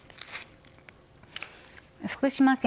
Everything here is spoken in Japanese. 福島県